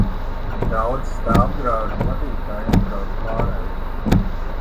Daudzi stāvdrāžu vadītāji apdraud pārējos.